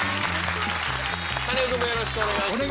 カネオくんもよろしくお願いします。